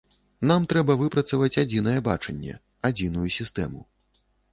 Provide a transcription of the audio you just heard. Нам трэба выпрацаваць адзінае бачанне, адзіную сістэму.